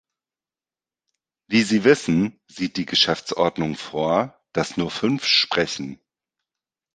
Wie Sie wissen, sieht die Geschäftsordnung vor, dass nur fünf sprechen.